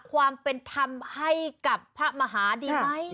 ความเป็นธรรมให้กับพระมหาดีไหม